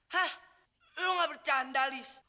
hah lo gak bercanda liz